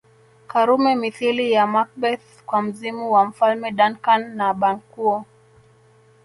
Karume mithili ya Macbeth kwa mzimu wa Mfalme Duncan na Banquo